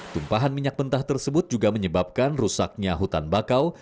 tumpahan minyak mentah tersebut juga menyebabkan rusaknya hutan bakau